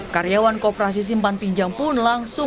karyawan kooperasi simpan pinjam pun langsung